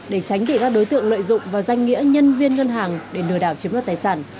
để tránh bị ra đối tượng lợi dụng và danh nghĩa nhân viên ngân hàng để nửa đảo chiếm đoạt tài sản